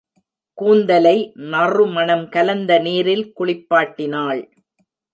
கூந்தலை நறுமணம் கலந்த நீரில் குளிப்பாட்டினாள்.